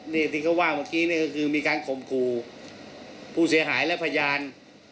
นี่ที่เขาว่าเมื่อกี้นี่ก็คือมีการข่มขู่ผู้เสียหายและพยาน